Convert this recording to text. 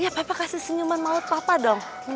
iya papa kasih senyuman maut papa dong